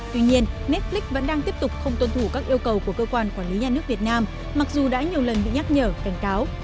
tuy nhiên netflix vẫn đang tiếp tục không tuân thủ các yêu cầu của cơ quan quản lý nhà nước việt nam mặc dù đã nhiều lần bị nhắc nhở cảnh cáo